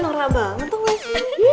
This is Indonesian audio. nora banget tuh